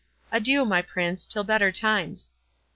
—Adieu, my Prince, till better times."